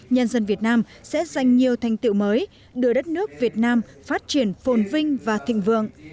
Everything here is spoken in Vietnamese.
nhân dân việt nam sẽ giành nhiều thành tiệu mới đưa đất nước việt nam phát triển phồn vinh và thịnh vượng